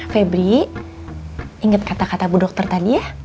febri ingat kata kata bu dokter tadi ya